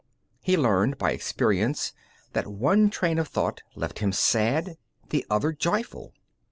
He learned by experience that one train of thought left him sad, the other joyful.